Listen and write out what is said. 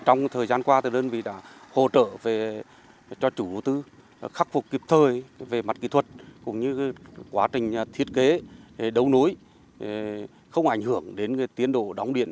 trợ tích cực cho các chủ đầu tư khắc phục kịp thời về mặt kỹ thuật quá trình thiết kế đấu nối không ảnh hưởng đến tiến độ đóng điện